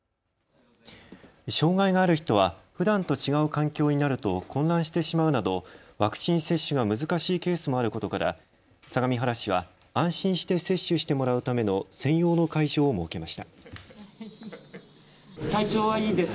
障害がある人はふだんと違う環境になると混乱してしまうなどワクチン接種が難しいケースもあることから相模原市は安心して接種してもらうための専用の会場を設けました。